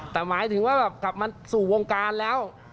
แต่หมายถึงว่าแบบกลับมาสู่วงการแล้ว